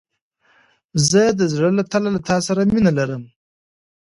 زه د زړه له تله له تا سره مينه لرم.